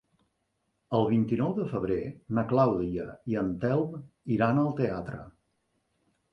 El vint-i-nou de febrer na Clàudia i en Telm iran al teatre.